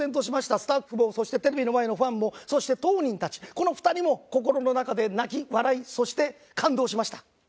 スタッフもそしてテレビの前のファンもそして当人たちこの２人も心の中で泣き笑いそして感動しました。